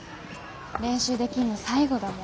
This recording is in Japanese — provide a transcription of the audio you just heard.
練習できんの最後だもんね。